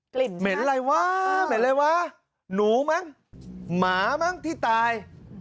กลิ่นใช่ไหมครับนูมั้งหมามั้งที่ตาย